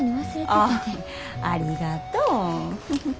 ああありがとう。